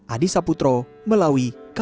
adi saputro melawi kalimantan